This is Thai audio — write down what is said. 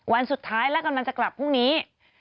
วันสุดท้ายและกำลังจะกลับพรุ่งนี้